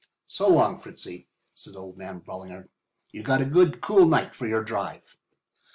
"So long, Fritzy," said old man Ballinger. "You got a nice cool night for your drive."